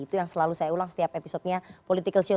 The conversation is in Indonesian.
itu yang selalu saya ulang setiap episodenya political show